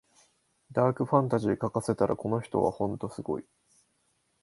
ダークファンタジー書かせたらこの人はほんとすごい